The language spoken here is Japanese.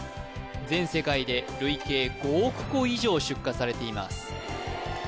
全世界で累計５億個以上出荷されています